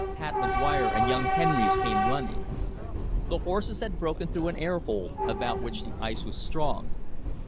Pat McGuire and young Henrys came running. The horses had broken through an air hole, about which the ice was strong.